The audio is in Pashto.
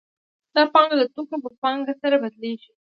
دا پانګه د توکو په پانګه سره بدلېږي